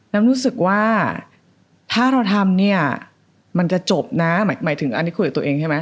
รู้สึกว่าถ้าเราทำเนี่ยมันจะจบนะหมายถึงอันนี้คุยกับตัวเองใช่ไหม